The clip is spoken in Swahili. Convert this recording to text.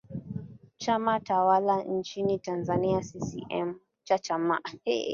chama tawala nchini tanzania ccm